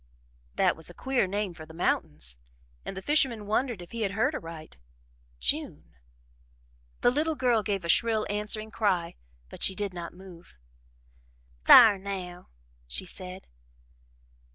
That was a queer name for the mountains, and the fisherman wondered if he had heard aright June. The little girl gave a shrill answering cry, but she did not move. "Thar now!" she said.